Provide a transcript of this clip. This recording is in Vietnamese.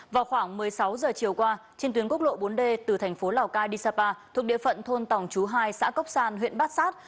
vào khoảng một mươi sáu giờ chiều qua trên tuyến quốc lộ bốn d từ thành phố lào cai đi sapa thuộc địa phận thôn tòng chú hai xã cốc san huyện bát sát